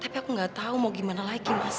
tapi aku gak tau mau gimana lagi mas